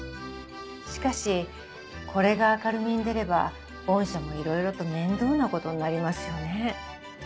しかしこれが明るみに出れば御社もいろいろと面倒なことになりますよね。